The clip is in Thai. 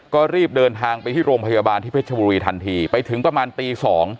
ก็รีบเดินทางไปที่โรงพยาบาลที่เพชรบุรีทันทีไปถึงประมาณตี๒